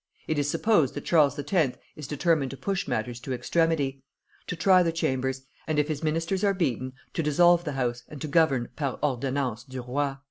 It is supposed that Charles X. is determined to push matters to extremity; to try the Chambers, and if his ministers are beaten, to dissolve the House and to govern par ordonnances du roi."